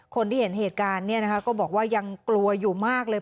คนที่เห็นเหตุการณ์ก็บอกว่ายังกลัวอยู่มากเลย